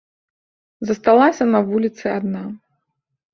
Засталася на вуліцы адна.